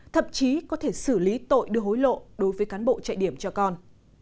thậm chí có thể xử lý tội đưa hối lộ đối với cán bộ chạy điểm cho con